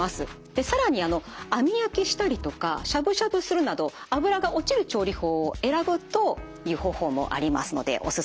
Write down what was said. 更に網焼きしたりとかしゃぶしゃぶするなど脂が落ちる調理法を選ぶという方法もありますのでおすすめです。